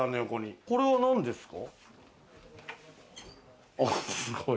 これはなんですか？